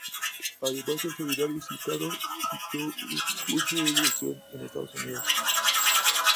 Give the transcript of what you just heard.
Además del seminario citado, dictó un curso de dirección en Estados Unidos.